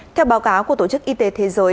theo báo cáo của tổ chức y tế thế giới